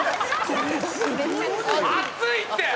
熱いって。